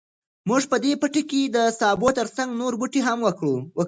موږ به په دې پټي کې د سابو تر څنګ نور بوټي هم وکرو.